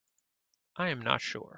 I am not sure.